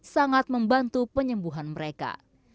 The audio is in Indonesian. sangat membantu penyembuhan mereka